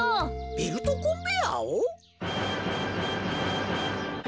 ベルトコンベヤーを？